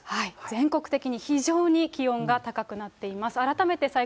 全国的に非常に気温が高くなっています。